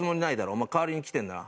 「お前代わりに来てるんだな。